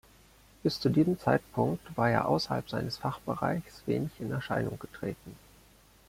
Bis zu diesem Zeitpunkt war er außerhalb seines Fachbereichs wenig in Erscheinung getreten.